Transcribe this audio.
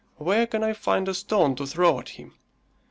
Where can I find a stone to throw at him?